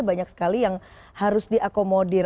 banyak sekali yang harus diakomodir